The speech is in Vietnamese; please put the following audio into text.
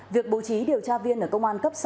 việc bố trí điều tra viên ở công an cấp sáu